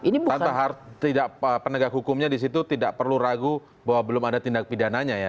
tanpa penegak hukumnya di situ tidak perlu ragu bahwa belum ada tindak pidananya ya